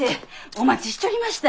お待ちしちょりました！